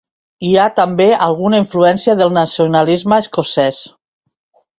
Hi ha també alguna influència del nacionalisme escocès.